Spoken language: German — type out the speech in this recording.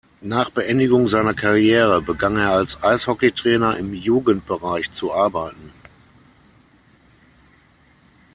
Nach Beendigung seiner Karriere begann er als Eishockeytrainer im Jugendbereich zu arbeiten.